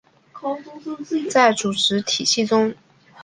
在组织体制中